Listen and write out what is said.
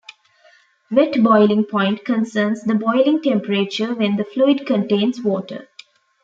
Wet boiling point concerns the boiling temperature when the fluid contains water.